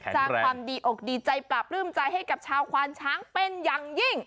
สร้างความดีอกดีใจปราบปลื้มใจให้กับชาวควานช้างเป็นอย่างยิ่ง